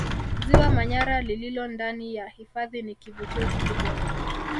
Ziwa Manyara lililo ndani ya hifadhi ni kivutio kikubwa